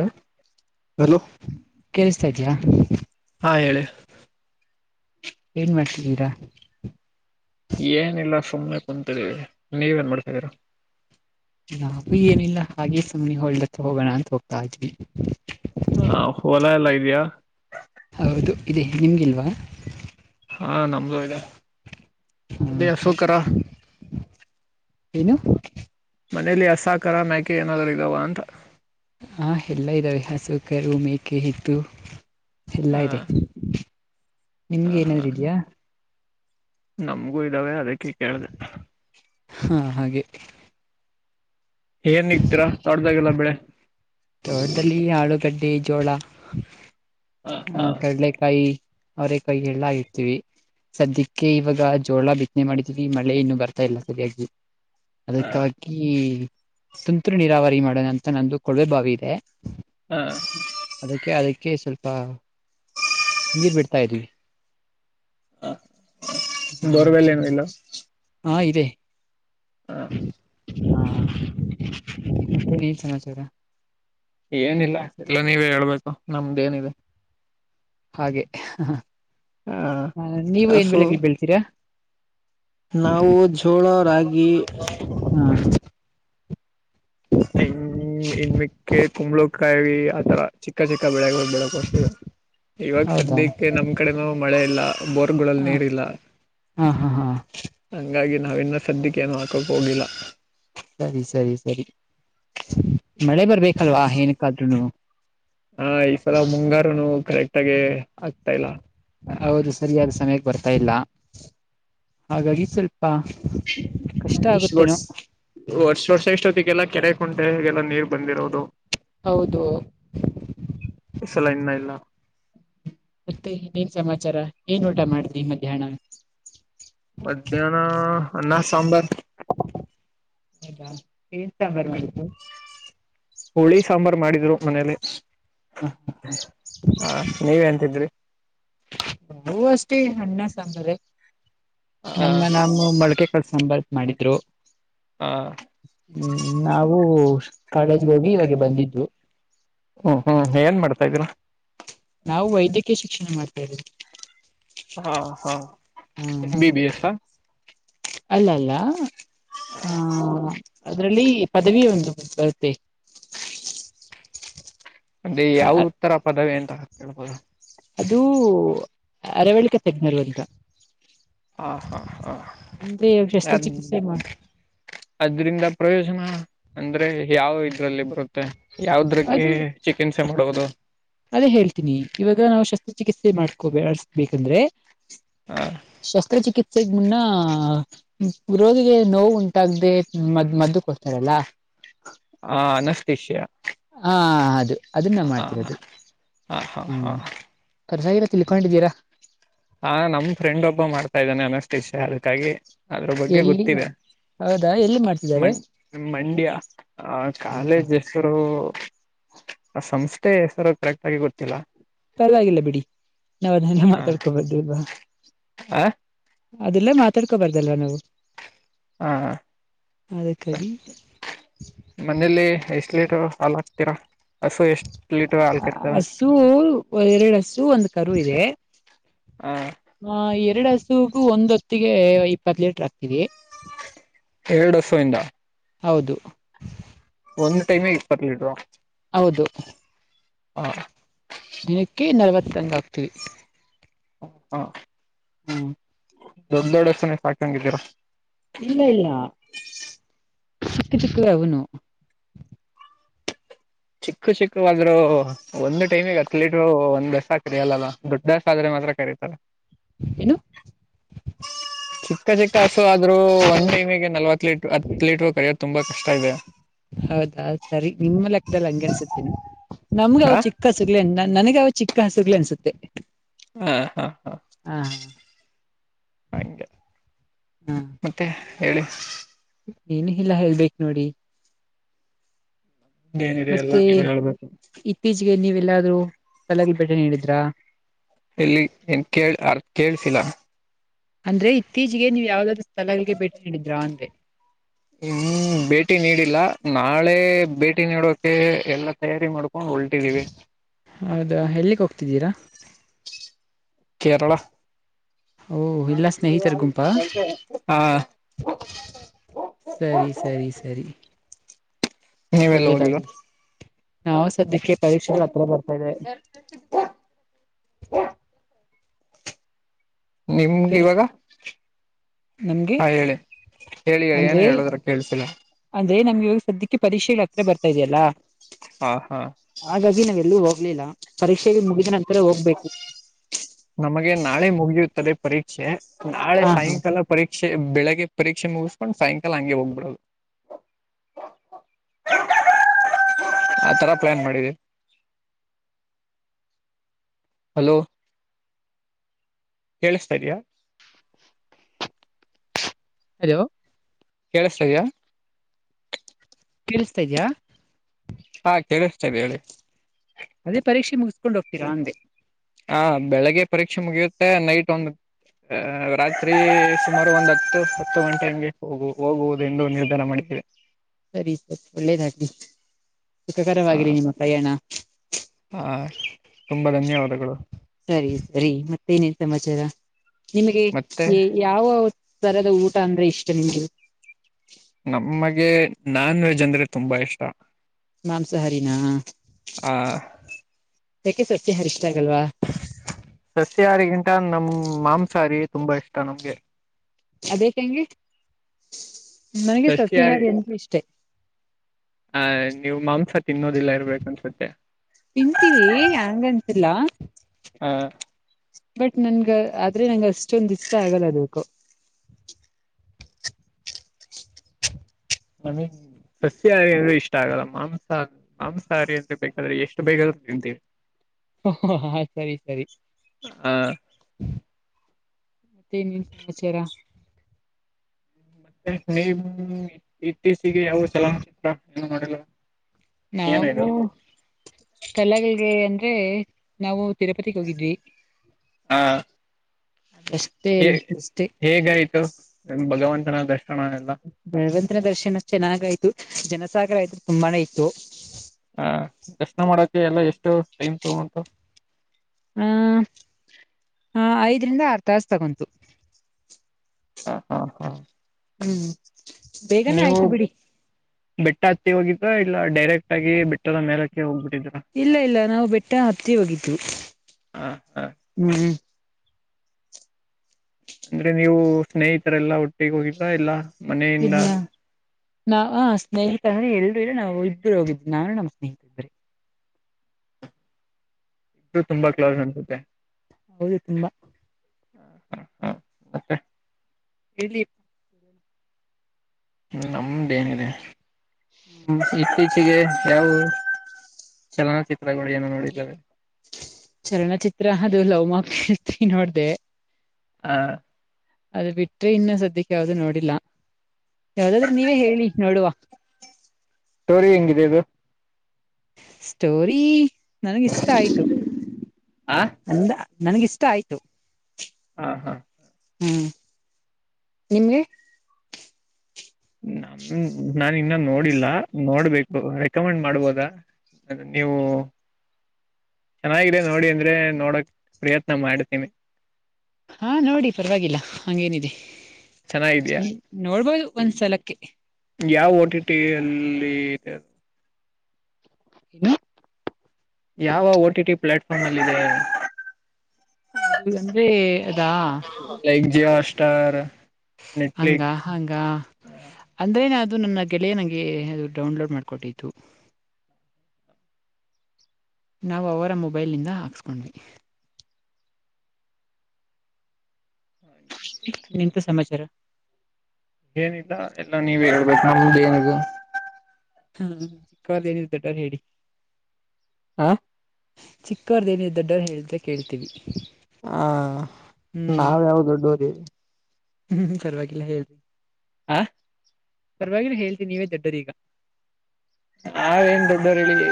ಲ ಹಲೋ ಕೆ. ಸರಿ. ಹಾ ಹೇಳಿ. ಏನ್ ಮಾಡ್ತಿದ್ದೀರಾ. ಸುಮ್ಮನೆ ಕುಂತಿದ್ದೀವಿ ನೀವೇನ್ ಮಾಡ್ತಾಿದ್ದೀರ. ನಾೂ ಏನಿಲ್ಲ ಹಾಗೆ ಸುಮ್ನೆಿ ಹೊೋಳ ಹತ್ರ ಹೋಗೋಣ ಅಂತ ಹೋಗ್ತಾ ಇದ್ವಿ. ಹಾ ಹೊಲ ಎಲ್ಲ ಇದ್ಯಾಾ. ನಿಮಗಿಲ್ವಾ. ಹಾಂ ನಮದುು ಇದೆ. ಇಲ್ಲಿ ಹ್ಮ. ಹಸುಕರ [unintelligible] ಏನು. ಮನೇಲಿ ಹಸಾಕರ ಮ್ಯಾಕೆ ಏನಾದ್ೂ ಇದಾವ ಅಂತ. ಆ ಎಲ್ಲ ಇದ್ದಾವೆ ಹಸು ಕೆರುವು ಮೇಕೆ ಇತ್ತು. ಹ ಎಲ್ಲಾ ಇದೆ. ನಿಮ್ಗೆ ಹ ಹಾ ಏನಾದ್ೂ ಇದ್ಯಾಾ. ನಮ್ಗೂ ಇದಾವೆ ಅದಕ್ಕೆ ಕೇಳ್ದ. ಹಾ ಹಾಗೆ. ಏನ್ ಇಗ್ತೀರಾ ತೊಡ್ದಾಗಲ್ಲ ಬೆಳೆ. ತೋಡದಲ್ಲಿ ಆಳುಗಡ್ಡೆ. ಪೇಜೋಳಾ. ಹ ಕಡಲೆಕಾಯಿ. ಅವ್ರ ಕೈ ಎಲ್ಲಾಗಿರ್ತೀವಿ ಸದ್ಯಕ್ಕೆ ಇವಾಗ ಜೋಳ ಬಿತ್ತನೆ ಮಾಡಿದೀವಿ ಮಳೆ ಇನ್ನು ಬರ್ತಾ ಇಲ್ಲ ಸರಿಯಾಗಿ. ಅದಕ್ಕಕ. ತುಂತ್ು ನೀರಾವರಿ ಮಾಡೋಣ ಅಂತ ನಂದು ಕೊೊಳ್ಳೆ ಬಾಗ. ದೆ. ಹ ಅದಕ್ಕೆ ಅದಕ್ಕೆ. ಅಕೆ ಸ್ವಲ್ಪ ನೀರ್ ಬಿಡ್ತಾ ಇದ್ವಿ. ಹ ಬೋರ್ಬಲ್ಲ ಏನು ಇಲ್ಲ ಹಾ ಇದೆ ಹ ಹ ಹಾ ಏನ್ ನ್ ಸಮಾಚಾರ ಏನಿಲ್ಲ ಎಲ್ಲ ನೀವೇ ಹೇಳ್ಬೇಕು ನಮ್ದ ಏನಿದೆ ಹಾಗೆ ಹ ನೀವು ಏನ್ ಹಸು ಬೆಳಗ್ಿಗೆ ಬೆಳ್ತೀರಾ ನಾವು ೋಳರಾಗಿ ಹಾ ಇನ್ ಇನ್ ಮಿಕ್ಕೆ ಕುಂಬಳ ಕಾಯಿ ಆತರ ಚಿಕ್ಕ ಚಿಕ್ಕ ಬೆಳೆ ಬೆಳಕೊತವಿ ಇವಾಗ ಹೌದಾ ಸದ್ಯಕ್ಕೆ ನಮ್ ಕಡೆನೂ ಮಳೆ ಇಲ್ಲ ಬೋರ್ಗಳಲ್ಲಿ ಹ ನೀರಿ ಇಲ್ಲ ಹಾ ಹಾ ಹಾ ಹಾಗಿ ನಾಾವನ್ನ ಶ್ರದ್ದಿಕ ನಕಪೋಗಿಲ್ಲ ಸರಿ ಸರಿ ಸರಿ ಮಳೆ ಬರ್ಬೇಕಲ್ವಾ ಏನಕ್ಕಾದ್ರುನು ಹಾ ಈ ಸಲ ಮುಂಗಾರುನು ಕರೆಕ್ಟ್ ಆಗೆ ಹೌದು ಸರಿಯಾದ ಸಮಯಕ್ಕೆ ಬರ್ತಾ ಇಲ್ಲ ಹಾಗಾಗಿ ಸ್ವಲ್ಪ ಪ್ಪಾ ಕಷ್ಟ ಆಗುತ್ತೇನೋ ಸ ಸ ಎಷ್ಟೊತ್ತಿಗೆಲ್ಲ ಕೆರೆ ಕುಂಟೆಲ್ಲ ನೀರ್ ಬಂದಿರೋದು ಹೌದು ಸಲ ಇಲ್ಲ ಇಲ್ಲ ಮತ್ತೆ ನೀಏನ್ ಸಮಾಚಾರ ಏನ್ ಊಟ ಮಾಡ್ದಿ ಮಧ್ಯಾಹ್ನ ಮಧ್ಯಾಹ್ನ ಅನ್ನ ಸಾಂಬಾರ ಹೌದಾ ತಂಬರ್ ಮಾಡು ಹುಳಿ ಸಾಂಬಾರ್ು ಮಾಡಿದ್ರು ಮನೇಲಿ ಹ ನೀವ ಎಂತಿದ್ರಿ ನವು ಅಷ್ಟೇ ಅಣ್ಣ ಸಾಂದ್ರ ಹ ನಮ್ಮ ನಾಮ ಮೊಳಕೆ ಕಳ್ಸಂಬಾರ ಮಾಡಿದ್ರು ಹ ಹ್ಮ್ ನಾವು ಕ ಹ್ಮ್ ಹ್ಮ್ ಏನ್ ಮಾಡ್ತಾ ಇದ್ರು ನಾವು ವೈದ್ಯಕೀಯ ಶಿಕ್ಷಣ ಮಾಡ್ತಾವಿ ಹಾ ಹಾ ಎ ಬಿ ಬಿ ಎಸ್ ಅಲ್ಲ ಅಲ್ಲ ಹಾ ಅದರಲ್ಲಿ ಪದವಿ ಒಂದು ಬರುತ್ತೆ ಅದೆ ಯಾವ ಉತ್ತರ ಪದವೇ ಳ ಅದುೂ ಅರವಳ್ಿಕೆ ತಜ್ಞರು ಅಂತ ಹಾಂ ಹಾಂ ಹಾಂ ಅಂದ್ರೆ ಯ ಶಸ್ತ್ರಚಿಕಿತ್ಸೆ ಮಾಡ ಅದರಿಂದ ಪ್ರಯೋಜನ ಅಂದ್ರೆ ಯಾವ ಇದ್ರಲ್ಲಿ ಬರುತ್ತ ಮತ್ತ ಯಾವದ್ರಕ್ಕೆ ಅದು ಚಿಕಿತ್ಸೆ ಮಾಡುವುದು ಚಿಕಿತ್ಸೆ ಮಾಡ್ಕೋ ಅಳ್ಸ್ಬೇಕಂದ್ರೆ ಹ ಶಸ್ತ್ರಚಿಕಿತ್ಸ ಗ ಮುನ್ನ ಗರೋದಿಗೆ ನೋವು ಉಂಟಾಗದೆ ಮದ್ ಮದ್ದುಕ್ ಹ್ತಾರಲ್ಲ ಹಾ ನಷ್ಟತಿಷಯ ಹಾ ಅದು ಅದನ್ನ ಮಾಡ್ತಿರೋದು ಹ ಹ ಹ ಹ್ಮ ಸೈರ ಕೊಂಡಿದ್ದೀರಾ ಹಾ ನಮ್ ಫ್ರೆಂಡ್ ಒಬ್ಬ ಮಾಡ್ತಾ ಇದ್ದಾನೆ ಅನಷ್ಟು ಇಷ್ಯ ಅದಕ್ಕಾಗಿ ಅದ್ರ ಬಗ್ಗೆ ಎಲ್ಲಿ ಗೊತ್ತಿದೆ ಹೌದಾ ಎಲ್ಲಿ ಮ ಮಾಡ್ತಿದ್ದಾರೆ ಮಂಡ್ಯ ಆ ಕಾಲೇಜ್ ಹೆಸರು ಆ ಸಂಸ್ಥೆ ಹೆಸರು ಕರೆಕ್ಟ್ ಆಗಿ ಗೊತ್ತಿಲ್ಲ ಪರವಾಗಿಲ್ಲ ಬಿಡಿ ನಾವವು ಅದನ್ನ ಹ ಮಾತಾಡ್ಕೋಬಹದು ಇ ಬ ಅದೆಲ್ಲ ಮಾತಾಡ್ಕೋಬಾರ್ದಲ್ವಾ ನಾವು ಹಾ ಅದಕ್ಕಾಗಿ ಮನೇೆಯಲ್ಲಿ ಎಷ್ಟ ೇಟ್ ಹಾ ಹಾಕ್ತೀರಾ ಹಸು ಎಷ್ಟ್ ಲೀಟರ್ ಹಾಲ್ ಕರಿತವೆ ಹಸು ಎರಡು ಹಸು ಒಂದ್ ಕರು ಇದೆ ಹ ಹಾ ಆ ಎರಡು ಹಸುಗ ಒಂದ್ ಹೊತ್ತಿಗೆ ಇಪ್ಪತ್ ಲೀಟರ್ ಆಗ್ತವಿ ಎರಡುಸ ಇಿಂದ ಹೌದು ಒಂದು ಟೈಮ ಇಪ್ಪತ್ತು ಲಟ ರ ಹೌದು ಹಾ ದಿನಕ್ಕೆ ನಲ್ವತ್ತಂಗ ಆಗ್ತೀವಿ ಹ ಹಾ ಹ್ಮ್ ದೊಡ್ಡ ದೊಡ್ಡಸನ ಸಾಕಂಗಿದ್ದೀರಾ ಇಲ್ಲ ಇಲ್ಲ ಇದುಕ್ಕೆ ಅವನು ಚಿಕ್ಕು ಚಿಕ್ಕ ಆದಾದ್ರರು ಒಂದು ಟೈಮಿಗೆ ಅಥಲೀಟ್ರು ಒಂದ್ ದಸ ಕರಿಯಲ್ಲಲ್ಲ ದೊಡ್ಡ ದಸ ಆದ್ರೆ ಮಾತ್ರ ಕರೀತಾರೆ ಏನು ಚಕ್ಕ ಚಕ್ಕ ಹಸು ಒನ್ ಟೈಮಿಗೆ ನಲ್ವ ತಾ ಲ ಹತ್ತು ಲೀಟರ್ ಕಡುತ್ತ. ತುಂಬಾ ಕಷ್ಟ ಇದೆ. ಹೌದಾ ಹೌದ ಸರಿ ನಿಮ್ಮ ಲೆಕ್ ದಲ್ಲ ಹಂಗೆ ಅನ್ಸುತ್ತೇನ. ನಮ್ಗೆ ಹ ಅವವು ಚಿಕ್ಕ ಹಸು ಗರ್ಲಿಂದ. ನನಗೆ ಅವ ಚಿಕ್ಕ ಹಸುಗ್ಗಳ ಅನ್ಸುತ್ತೆ. ಹಾ ಹಾ ಹಾ ಹ ಹಗೆ ಹಾ ಮತ್ತೆ. ಹೇಳಿ ಏನು ಇಲ್ಲಾ ಹೇಳ್ಬೇಕೇ ನೋಡಿ. ಇದೇನಿದೆ ಎಲ್ಲ ಮತ್ತೆ ನೀವ ಹೇಳ್ಬೇಕು. ಇತ್ತೀಚೆಗೆ ನೀವೆಲ್ಲಾದ್ರೂ ಸ್ಲಗ ಭೇಟೆ ನೀಡಿದ್ರಾ. ಇಲ್ಲಿ ಏನ್ ಕೇಳ ಅರ್ ಕೇಳ್ಸಿಲ್ಲ. ಅಂದ್ರೆ ಇತ್ತೀಚಿಗೆ ನೀವು ಯಾವಾಗಲಾದರೂ. ಹ್ಮ ಭೇಟಿ ನೀಡಿಲ್ಲ. ನಾಳೆ ಭೇಟಿ ನೀಡೋಕೆ ಎಲ್ಲ ತಯಾರಿ ಮಾಡ್ಕೊಂಡು ಹೊಲ್ಟಿದೀವಿ. ಹೌದಾ ಎಲ್ಲಿಗೆ ಹೋಗ್ತಿದ್ದೀರಾ. ಕೇರಳ. ಓಹ ಇಲ್ಲಾ ಸ್ನೇಹಿತರ್ ಗುಂಪಾ ಹ ಸರಿ ಸರಿ ಸರಿ. ನೀವೆಲ್ಲ ಹೋಗಿಲ್ವಾ ಒಳ್ಳೇದಾಗ್ಲಿ ನಾವು ಸದ್ಯಕ್ಕೆ ಪರೀಕ್ಷೆಗಳ ಹತ್ರ ಬರ್ತಾವೆ. ನಿಮಗೆ ಕೆಲ್ಸ ಇವಾಗ ನಮ್ಗೆ ಹಾ ಹೇಳಿ ಹೇಳಿ ಹೇಳಿ ಏನ ಹೇಳುದ್ರ ಕೇಳ್ಸಿಲ್ಲ. ಅದೇ ನಮ್ಗೆ ಇವಾಗ ಸದ್ಯಕ್ಕೆ ಪರೀಕ್ಷೆಗಳ ಹತ್ರ ಬರ್ತಾ ಇದೆಯಲ್ಲಾ. ಹ ಹಾ ಹಾಗಾಗಿ ನಾವ ಎಲ್ಲೂ ಹೋಗ. ಲಿಲ್ಲ ಪರೀಕ್ಷೆಗೆ ಮುಗಿದ ನಂತರ ಹೋಗ್ಬೇಕು ನಮಗೆ ನಾಳೆ ಮುಗಿಯುತ್ತಲ. ಪರೀಕ್ಷೆ. ನಾಳೆ ಹ ಹಾ ಸಾಯಂಕಾಲ ಪರೀಕ್ಷೆ. ಬೆಳಿಗ್ಗೆ ಪರೀಕ್ಷೆ ಮುಗಿಸ್ಕೊಂಡು ಸಾಯಂಕಾಲ ಹಗೆ ಹೋಗ್ಬಿಡದು ಆತರ ಪ್ಲಾನ್ ಮಾಡಿದೆ. ಹಲೋ. ಕೇಳ್ಸ್ತಾ ಇದ್ಯಾ. ಹಲೋ. ಕೇಳ್ಸ್ತಾಇದಿಯ. ಕೇಳಸ್ತಾ ಇದಿದ್ಯಾ. ಹಾ ಕೇಳಿಸ್ತ ಇದೆ ಹೇಳಿ. ಅದೇ ಪರೀಕ್ಷೆ ಮುಗಿಸಸ್ಕೊಂಡ್ ಹೋಗ್ತೀರಾ ಹಂಗೆ. ಹ ಬೆಳಿಗ್ಗೆ ಪರೀಕ್ಷೆ ಮುಗಿಯುತ್ತೆ ನೈಟ್ ಒಂದು ಅ ರಾತ್ರಿ ಸುಮಾರು ಒಂದ್ ಹತ್ತು ಹತ್ತು ಗಂಟೆ ಹಂಗೆ ಹೋಗು ಹೋಗುವುದು ಎಂದು ನಿರ್ಧಾರ ಮಾಡಿದ್ದಿದೆ. ಸರಿ ಸರಿ ಒಳ್ಳೇದಾಗ್ಲಿ ಸುಖಕರವಾಗಿರಿ ನಿಮ್ಮ ಪ್ರಯಾಣ. ಹಾ ತುಂಬಾ ಧನ್ಯವಾದಗಳು. ಸರಿ ಸರಿ ಮತ್ತೇನೇನ್ ಸಮಾಚಾರ ನಿಮಗೆ ಮತ್ತೆ ಯ ಯಾವ ತರದ ಊಟ ಅಂದ್ರೆ ಇಷ್ಟ ನಿಮಗೆ, ನಮ್ಮಗೆ ನಾನ್ ವೆಜ್ ಅಂದ್ರೆ ತುಂಬಾ ಇಷ್ಟ. ಮಾಂಸಹಾರಿನ ಆ ಯಾಕೆ ಸಸ್ಯ ಹಾರಿ ಇ ಸಸ್ಯಾರಿಗಿಂಟ ನಮ್ ಮಾಂಸಾಹಾರಿ ತುಂಬಾ ಇಷ್ಟ ನಮ್ಗೆ. ಅದೇಕಂಗೆ. ನನಗೆ ಸಷ್ಯಾರಿ ಸಸ್ಯಾಹಾರಿ ಅಂದ್ರೆ ಇಷ್ಟೇ ಆ ನೀವು ಮಾಂಸ ತಿನ್ನೋದಿಲ್ಲ ಇರ್ಬೇಕ ಅನ್ಸುತ್ತೆ. ತಿಂತೀವಿ ಅಂಗಂತಿಲ್ಲ ಆ ಬಟ್ ನನ್ ಗೆ ಆದ್ರೆ ನಂಗ ಅಷ್ಟೊಂದ ಇಷ್ಟ ಆಗಲ್ಲ ಅದಕ್ಕು. ಮಮ್ಮಿ ಸಸ್ಯಹಾರಿ ಅಂದ್ರೆ ಇಷ್ ಇಷ್ಟ ಆಗಲ್ಲ ಮಾಂಸಾ ಮಾಂಸಾಹಾರಿ ಅಂದ್ರ ಬೇಕಾದ್ರೆ ಎಷ್ಟು ಬೇಕಾದ್ರು ತಿಂತೀನ್. ಹಾ ಹ ಹ ಸರಿ ಸರಿ ಹಾ ಮತ್ತೆ ನೇನ್ ಸಮಾಚಾರ ಮತ್ತೆ ನೀವು ಇತ್ತೀಚಿಗೆ ಯಾವ ಚಲನಚಿತ್ರ ಎಲ್ಲ ನೋಡಲ್ಲ. ನಾವು ಸ್ಥಳಗಳಿಗೆ ಅಂದ್ ದ್ರೆ ನಾವು ತಿರುಪತಿಗ್ ಹೋಗಿದ್ವಿ. ಹಾ ಅಷ್ಟೇ ಹ ಅಷ್ಟೇ ಹೇಗರಿತು ಭಗವಾನ್ [unintelligible] ಷಣ ಎಲ್ಲ. ರ ದರ್ಶನ ಚೆನ್ನಾಗಯ್ತು ಜನ ಸಕರ ಆಯತು ತುಂಬಾನೇ ಇತ್ತು ಹ ದರ್ಶನ ಮಾಡಕ ಎಲ್ಲ ಎಷ್ಟು ಟೈಮ್ ತಗಂಟು ಆ್ ಆ ಐದರಿಂದ ಆರ್ ತಸ್ ತಗೊಂತು ಹ ಹಾ ಹಾ ಹೂ ಬೇಗನೆ ನೀವು ಆಯ್ತು ಬಿಡಿ ಬೆಟ್ಟ ಹತ್ತಿ ಹೋಗಿದ್ದ ಇಲ್ಲ ಡೈರೆಕ್ಟ್ ಆಗಿ ಬೆಟ್ಟದ ಮೇಲಕ್ಕೆ ಹೋಗ್ಬಿಟ್ಟಿದ್ರ ಇಲ್ಲ ಇಲ್ಲ ನಾವು ಬೆಟ್ಟ ಹತ್ತಿ ಹೋಗಿದು ಹಾ ಹಾ ಹೂ ಅಂದ್ರೆ ನೀವು ಸ್ನೇಹಿತರೆಲ್ಲಾ ಒಟ್ಟಿಗೆ ಹೋಗಿದ್ರಾ ಎಲ್ಲಾ ಇಲ್ಲ ನಾ ಸ್ನೇಹ ಸ ಎಲ್ರರು ಇಲ್ಲ ನಾವು ಇಬ್ರು ಹೋಗಿದ್ವಿ ನಾನು ನಮ್ಮ್ ಸ್ನೇಹಿತ ಇದ್ರಿ ಇದು ತುಂಬಾ ಕ್ಲೋಸ್ ಅನ್ಸುತ್ತೆ ಹೌದು ತುಂಬಾ ಹ ಹಾ ಹ ಮತ್ತೆ ಇ ್ಮ ನಮ್ದೇನಿದೆ ಇ ಿಗೆ ಯಾವು ಚಲನಚಿತ್ರಗಳು ಏನು ನೋಡಿದವೆ ಚಲನಚಿತ್ರ ಅದು ಲವ್ ಮಕ್ ತ್ರಿ ನೋಡ್ದ ಹ ಅದು ಬಿಟ್ರೆ ಇನ್ನು ಸದ್ಯಕ್ಕೆ ಯಾವ್ದೂ ನೋಡಿಲ್ಲ ಯಾವ್ದಾದ್ರೆ ನೀವೇ ಹೇಳಿ ನೋಡುವ ಸ್ಟೋರಿ ಹೆಂಗಿದೆ ಅದು ಸ್ಟೋರಿ ನನಗಿಷ್ಟ ಆಯ್ತು ಆ ಅಂದ ನನ್ಗಿಷ್ಟ ಆಯ್ತು ಹಾ ಹಾ ಹೂ ನಿಮ್ಗೆ ನಮ ನಾನು ಇನ್ನ ನೋಡಿಲ್ಲ ನೋಡ್ಬೇಕು ರೆಕಮೆಂಡ್ ಮಾಡ್ಬೋದ ನೀವು ಚೆನ್ನಾಗಿದೆ ನೋಡಿ ಅಂದ್ರೆ ನೋಡಕ್ ಪ್ರಯತ್ನ ಮಾಡ್ತೀನಿ ಹಾ ನೋಡಿ ಪರವಾಗಿಲ್ಲ ಹಂಗೇನಿದೆ ಹ್ಮ ಚೆನ್ನಾಗಿದ್ಯಾ ನೋಡ್ಬೋದು ಒಂದ್ಸಲಕ್ಕೆ ಯಾವ ಓ ಟಿ ಟಿ ಅಲ್ಲಿ ಹನು ಯಾವ ಓಟಿ ಟಿ ಪ್ಲಾಟ್ಫಾರ್ಮ್ ಅಲ್ಲ ಇಿದೆ ಅದು ಅಂದ್ರೆ ಅದಾ ಜಿಯ ಸ್ಟಾರ್ ಹಂಗ ನೆಟ್ಫ್ಲಿಕ್ಸ್ ಹಂಗ ಅಂದ್ರೆನ ಅದು ನನ್ನ ಗೆಳೆಯೇ ನಂಗೆ ಅದು ಡೌನ್ಲೋಡ್ ಮಾಡ್ಕೊಟ್ಟತ್ತು ನಾವು ಅವರ ಮೊಬೈಲ್ನಿಂದ ಹಾಕ್ಸ್ಕೊಂಡ್ವಿ ನಿಂತ ಸಮಾಚಾರ ಏನಿದ್ದ ಎಲ್ಲ ನೀವೇ ನಮ್ದು ಏನ್ ಇದೆ ಹೂ ಕ ಏನ ಇರುತಟ ಹೇಳ ಹ ಚಿಕ್ಕವರ ದೇವ ದೊಡ್ಡರು ಹೇಳಿದ್ರೆ ಕೇಳ್ತೀವಿ ಹಾ ಹ್ಮ್ ನಾವ ಯಾವ್ದ ದೊಡ್ಡೂರಿ ಹ್ಮ್ ಪರ್ವಾಗಿಲ್ಲ ಹೇಳ್ರಿ ಆ ಪರ್ವಾಗಿಲ್ಲ ಹೇಳ್ತೀನಿ ನೀವೇ ದೊಡ್ಡರೀಗ ಹೇಟ [unintelligible] ಬರಿಲಿ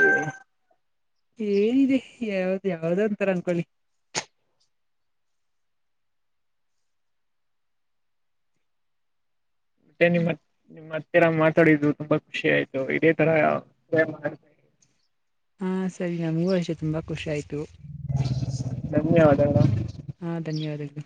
ಹೇಳಏಿದೆ ಯಾವ್ದ್ ಯಾವ್ದ ಅಂತಾರ ಅನ್ಕೊಳ್ಳಿ ಮತ್ತೆ ನಿಮ್ಮತ್ ನಿಮ್ಮತ್ ರ್ ಮಾತಾಡಿದು ತುಂಬಾ ಖುಷಿ ಆಯ್ತು ಇದೇ ತರ ಹಾ ಸರಿ ನಾ ಮೂವಷ್ಟೆ ತುಂಬಾ ಖುಷಿ ಆಯ್ತು ಧನ್ಯವಾದಗಳು ಹಾ ಧನ್ಯವಾದ್ದ